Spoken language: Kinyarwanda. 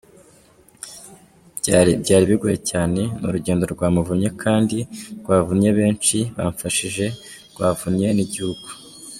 Byari bigoye cyane, ni urugendo rwamvunnye kandi rwavunnye benshi bamfashije, rwavunnye n’igihugu.